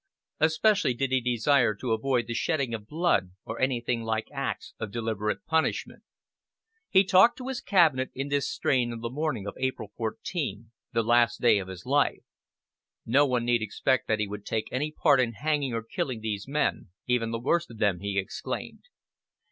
Especially did he desire to avoid the shedding of blood, or anything like acts of deliberate punishment. He talked to his cabinet in this strain on the morning of April 14, the last day of his life. "No one need expect that he would take any part in hanging or killing these men, even the worst of them," he exclaimed.